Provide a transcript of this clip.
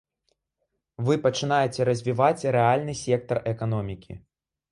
Вы пачынаеце развіваць рэальны сектар эканомікі.